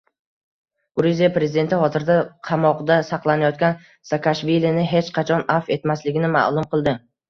Gruziya prezidenti hozirda qamoqda saqlanayotgan Saakashvilini hech qachon afv etmasligini ma’lum qildi